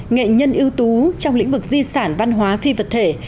nghệ nhân ưu tú trong lĩnh vực di sản văn hóa phi vật thể